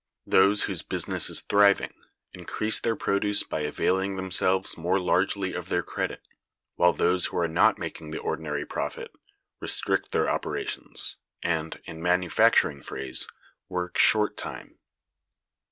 Those whose business is thriving, increase their produce by availing themselves more largely of their credit, while those who are not making the ordinary profit, restrict their operations, and (in manufacturing phrase) work short time.